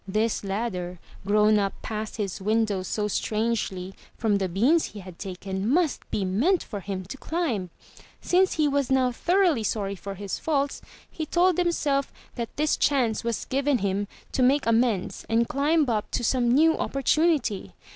This ladder, grown up past his window so strangely, from the beans he had taken, must be meant for him to climb. Since he was now thoroughly sorry for his faults, he told himself that this chance was given him to make amends and climb up to some new opportunity.